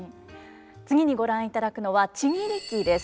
次にご覧いただくのは「千切木」です。